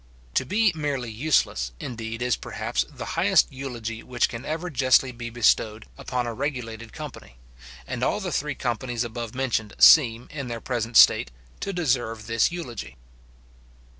To be merely useless, indeed, is perhaps, the highest eulogy which can ever justly be bestowed upon a regulated company; and all the three companies above mentioned seem, in their present state, to deserve this eulogy.